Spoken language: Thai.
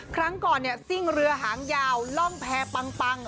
ครั้งก่อนซิ่งเรือหางยาวทรงแภปัง